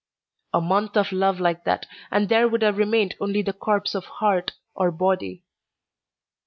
A month of love like that, and there would have remained only the corpse of heart or body.